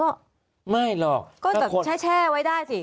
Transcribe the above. ก็รู้ข้อกระหมายแบบนี้ก็ใช้แช่ไว้ได้สิ